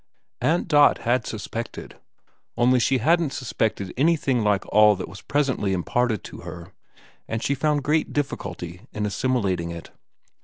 Aunt Dot had suspected, only she hadn't suspected anything like all that was presently imparted to her, and she found great difficulty in assimilating it.